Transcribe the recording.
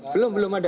belum belum ada